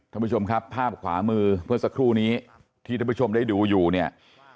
ท่านผู้ชมครับภาพขวามือเมื่อสักครู่นี้ที่ท่านผู้ชมได้ดูอยู่เนี่ย